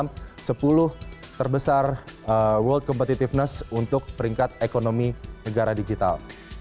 masuk ke dalam sepuluh terbesar world competitiveness untuk peringkat ekonomi negara digital